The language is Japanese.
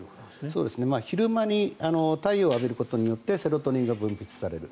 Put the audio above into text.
昼間に太陽を浴びることによってセロトニンが分泌される。